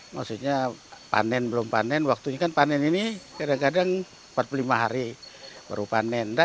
maksudnya panen belum panen waktunya kan panen ini kadang kadang empat puluh lima hari baru panen